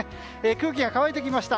空気が乾いてきました。